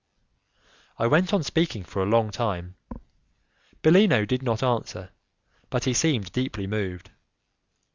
I went on speaking for a long time; Bellino did not answer, but he seemed deeply moved.